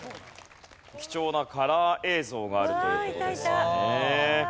貴重なカラー映像があるという事ですよね。